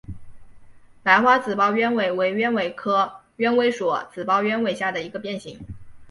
白花紫苞鸢尾为鸢尾科鸢尾属紫苞鸢尾下的一个变型。